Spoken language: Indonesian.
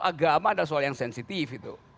agama ada soal yang sensitif